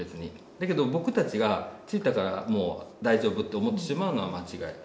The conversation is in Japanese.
だけど僕たちが付いたからもう大丈夫って思ってしまうのは間違い。